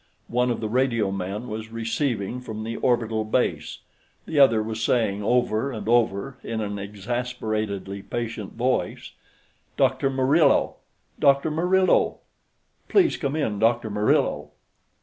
One of the radiomen was receiving from the orbital base; the other was saying, over and over, in an exasperatedly patient voice: "Dr. Murillo. Dr. Murillo. Please come in, Dr. Murillo."